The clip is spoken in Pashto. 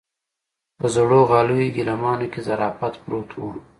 په زړو غاليو ګيلمانو کې ظرافت پروت و.